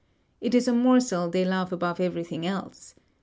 It is a morsel they love above everything else.